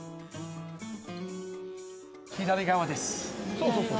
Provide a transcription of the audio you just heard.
そうそうそう。